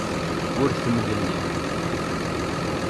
Ur temlellim.